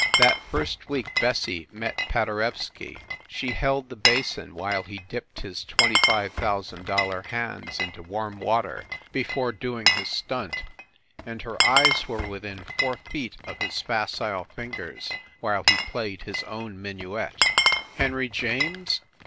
That first week Bessie met Paderewski ; she held the basin when he dipped his $25,000 hands into warm water before doing his stunt, and her eyes were within four feet of his facile fingers when he played his own minuet! Henry James?